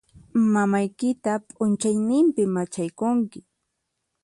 Mamaykita p'unchaynimpi much'aykunki.